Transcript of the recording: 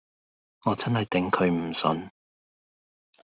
我真係頂佢唔順